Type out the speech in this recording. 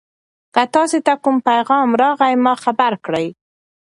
که تاسي ته کوم پیغام راغی ما خبر کړئ.